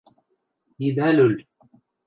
– Ида лӱл!